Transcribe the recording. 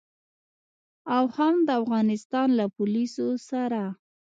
او هم د افغانستان له پوليسو سره.